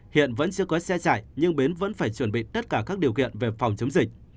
hiện vẫn chưa có xe chạy nhưng bến vẫn phải chuẩn bị tất cả các điều kiện về phòng chống dịch